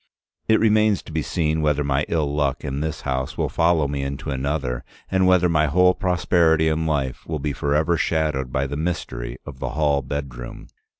It remains to be seen whether my ill luck in this house will follow me into another, and whether my whole prosperity in life will be forever shadowed by the Mystery of the Hall Bedroom.